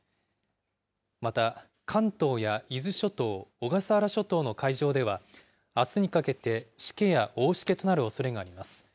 また、関東や伊豆諸島、小笠原諸島の海上では、あすにかけてしけや大しけとなるおそれがあります。